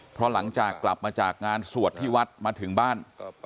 เพราะหลังจากกลับมาจากงานสวดที่วัดมาถึงบ้าน